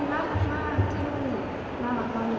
ที่มีความรู้สึกกว่าที่มีความรู้สึกกว่า